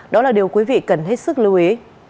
đó là điều quý vị cần hết sức lưu ý